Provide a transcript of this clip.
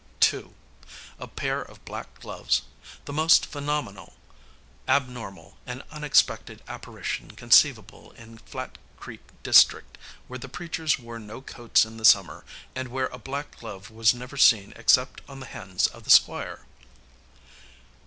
2. A pair of black gloves, the most phenomenal, abnormal and unexpected apparition conceivable in Flat Creek district, where the preachers wore no coats in the summer, and where a black glove was never seen except on the hands of the Squire.